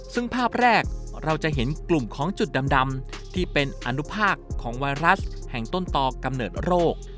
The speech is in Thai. ซึ่งภาพแรกเราจะเห็นกลุ่มของจุดดำที่เป็นอนุภาคของไวรัสแห่งต้นต่อกำเนิดโรค